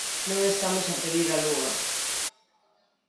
Non estamos a pedir a lúa.